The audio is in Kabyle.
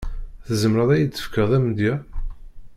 Tzemreḍ ad yi-d-tefkeḍ amedya?